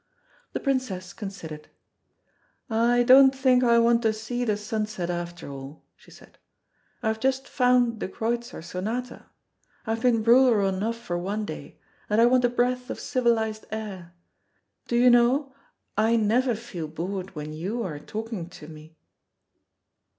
The Princess considered. "I don't think I want to see the sunset after all," she said. "I've just found the Kreutzer Sonata. I've been rural enough for one day, and I want a breath of civilised air. Do you know, I never feel bored when you are talking to me."